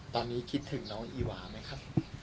ตอนนี้คิดถึงน้องอีวาไหมครับ